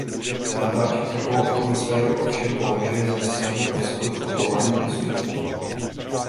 Hlaváček takovou atmosféru ovšem považuje za samu podstatu fungování institutu.